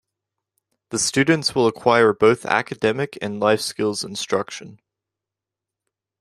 The students will acquire both academic and life skills instruction.